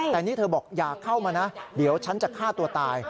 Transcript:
แต่นี่เธอบอกอย่าเข้ามานะเดี๋ยวฉันจะฆ่าตัวตาย